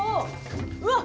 うわっ